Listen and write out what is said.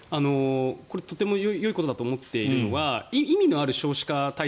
これ、とてもよいことだと思っているのは意味のある少子化対策